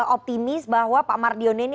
optimis bahwa pak mardio ini